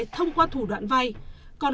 thông qua thủ đoạn vay còn